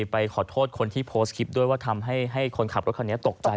ไปขอโทษคนที่โพสต์คลิปด้วยว่าทำให้คนขับรถคันนี้ตกใจ